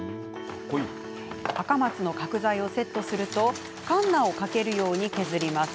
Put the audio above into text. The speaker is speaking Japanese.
アカマツの角材をセットするとかんなをかけるように削ります。